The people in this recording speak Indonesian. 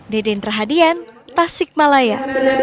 deden trahadian tasikmalaya